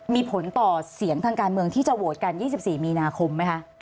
มีผลต่อเสียงทางการเมืองที่จะโหวตกัน๒๔มีนาคมไหมคะ